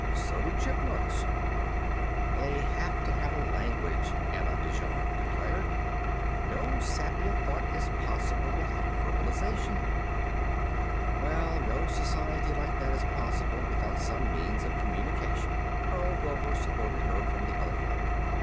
So do chipmunks." "They have to have a language," Anna de Jong declared. "No sapient thought is possible without verbalization." "Well, no society like that is possible without some means of communication," Karl Dorver supported her from the other flank.